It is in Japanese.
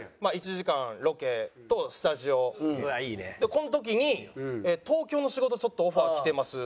この時に「東京の仕事ちょっとオファー来てます」。